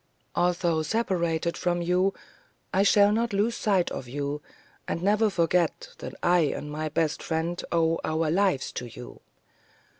Although separated from you, I shall not lose sight of you, and never forget that I and my best friend owe our lives to you.